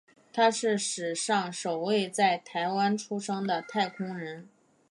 他是史上首位在台湾出生的太空人。